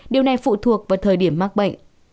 điều này phụ thuộc vào thời điểm mắc bệnh